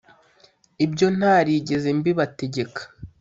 ibyo ntarigeze mbibategeka